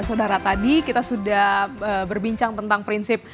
saudara tadi kita sudah berbincang tentang prinsip